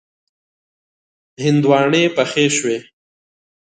هندواڼی پخې شوې.